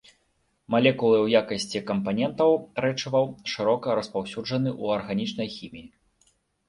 Малекулы ў якасці кампанентаў рэчываў шырока распаўсюджаны ў арганічнай хіміі.